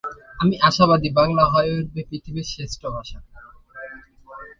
তিনি বাংলা একাডেমির উপ-পরিচালক হিসেবে দায়িত্ব পালন করেছিলেন।